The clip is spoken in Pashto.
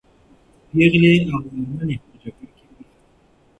پېغلې او مېرمنې په جګړه کې برخه اخلي.